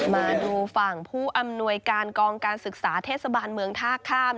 มาดูฝั่งผู้อำนวยการกองการศึกษาเทศบาลเมืองท่าข้าม